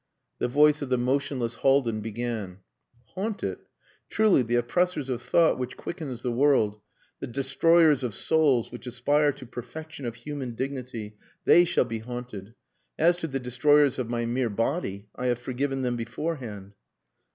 The voice of the motionless Haldin began "Haunt it! Truly, the oppressors of thought which quickens the world, the destroyers of souls which aspire to perfection of human dignity, they shall be haunted. As to the destroyers of my mere body, I have forgiven them beforehand."